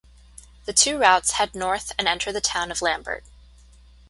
The two routes head north and enter the town of Lambert.